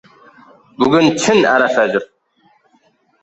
Bugun chin arafadnr.